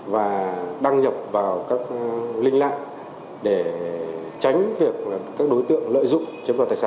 và đăng nhập vào các linh lạc để tránh việc các đối tượng lợi dụng chếp vào tài sản